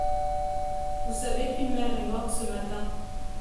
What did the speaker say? Vous savez qu’une mère est morte ce matin.